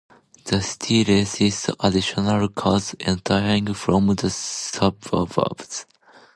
The city resists additional cars entering from the suburbs.